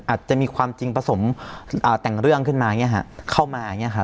อาจจะมีความจริงประสงค์แต่งเรื่องขึ้นมาเข้ามา